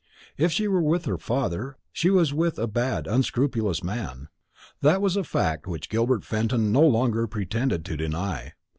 If she were with her father, she was with a bad, unscrupulous man. That was a fact which Gilbert Fenton no longer pretended to deny.